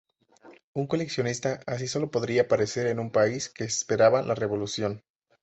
Un coleccionista así solo podría aparecer en un país que esperaba la revolución.